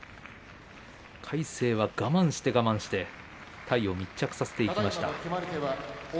魁聖は我慢して、我慢して体を密着させていきました。